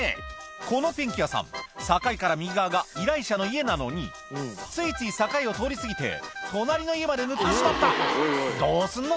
このペンキ屋さん境から右側が依頼者の家なのについつい境を通り過ぎて隣の家まで塗ってしまったどうすんの？